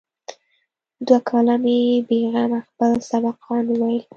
دوه کاله مې بې غمه خپل سبقان وويل.